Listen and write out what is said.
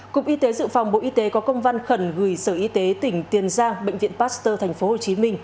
cục y tế dự phòng bộ y tế có công văn khẩn gửi sở y tế tỉnh tiền giang bệnh viện pasteur tp hcm